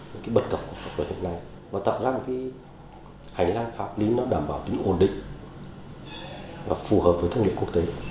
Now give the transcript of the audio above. và tạo ra một cái hành lang pháp lý nó đảm bảo tính ổn định và phù hợp với thân niệm quốc tế